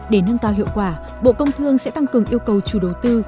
để nâng cao hiệu quả bộ công thương sẽ tăng cường yêu cầu chủ đầu tư